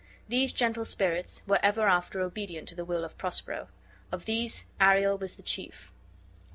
These gentle spirits were ever after obedient to the will of Prospero. Of these Ariel was the chief.